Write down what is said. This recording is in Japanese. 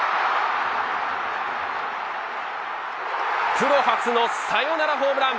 プロ初のサヨナラホームラン。